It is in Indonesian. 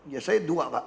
ya saya dua pak